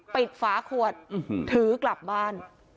ฝาขวดถือกลับบ้าน